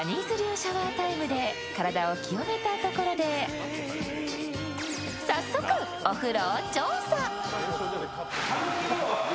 シャワータイムで体を清めたところで早速、お風呂を調査。